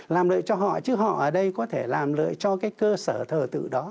làm lợi cho họ chứ họ ở đây có thể làm lợi cho cái cơ sở thờ tự đó